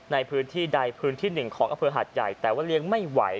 ในพื้นที่ใดพื้นที่หนึ่งของอำเภอหาดใหญ่แต่ว่าเลี้ยงไม่ไหว